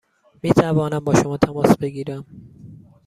می توانم با شما تماس بگیرم؟